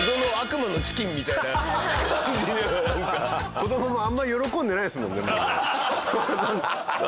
子どももあんまり喜んでないですもんね。